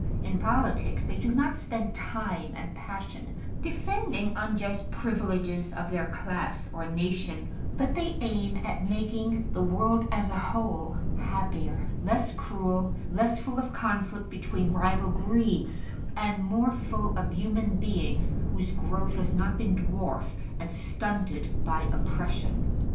In politics, they do not spend time and passion defending unjust privileges of their class or nation, but they aim at making the world as a whole happier, less cruel, less full of conflict between rival greeds, and more full of human beings whose growth has not been dwarfed and stunted by oppression.